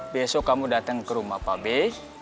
besok kamu datang ke rumah pa be